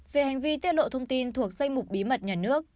về hành vi tiết lộ thông tin thuộc danh mục bí mật nhà nước